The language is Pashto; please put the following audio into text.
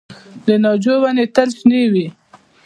د ناجو ونې تل شنې وي؟